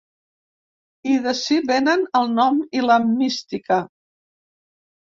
I d’ací vénen el nom i la mística.